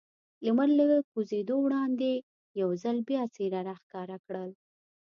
لمر له کوزېدو وړاندې یو ځل بیا څېره را ښکاره کړل.